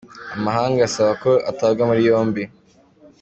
Amahanga asaba ko atabwa muri yombi.